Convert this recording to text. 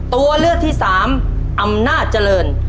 ตัวเลือกที่สามอำนาจเจริญ